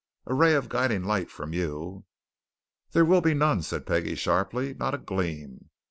A ray of guiding light from you " "There will be none!" said Peggie sharply. "Not a gleam.